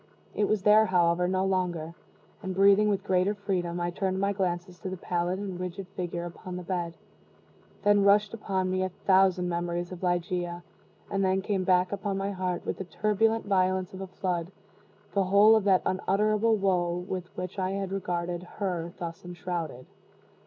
It was there, however, no longer; and breathing with greater freedom, I turned my glances to the pallid and rigid figure upon the bed. Then rushed upon me a thousand memories of Ligeia and then came back upon my heart, with the turbulent violence of a flood, the whole of that unutterable woe with which I had regarded her thus enshrouded.